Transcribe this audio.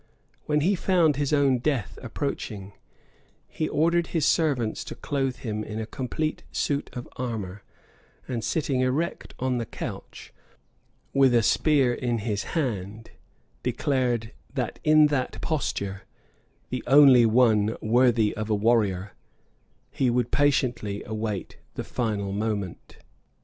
When he found his own death approaching, he ordered his servants to clothe him in a complete suit of armor; and sitting erect on the couch, with a spear in his hand, declared, that in that posture, the only one worthy of a warrior, he would patiently await the fatal moment.